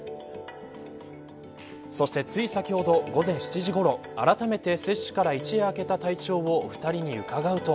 そして、つい先ほど午前７時ごろあらためて接種から一夜明けた体調を２人に伺うと。